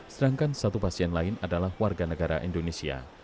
sedangkan satu pasien lain adalah warga negara indonesia